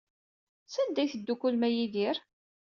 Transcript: Sanda ay teddukklem d Yidir?